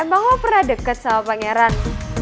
emang lo pernah deket sama pangeran